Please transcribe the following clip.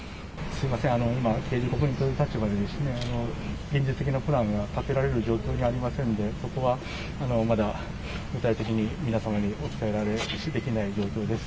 すみません、今、刑事被告人という立場で、現実的なプランを立てられる状況にありませんで、そこはまだ具体的に皆様にお伝えできない状況です。